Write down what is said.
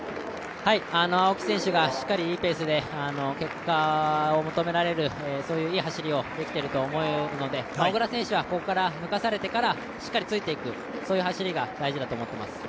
青木選手がしっかりいいペースで、結果を求められる走りをできていると思うので、小椋選手はここから、抜かされてからしっかりついていくそういう走りが大事だと思っています。